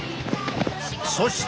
そして！